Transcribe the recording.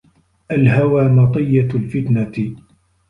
الْهَوَى مَطِيَّةُ الْفِتْنَةِ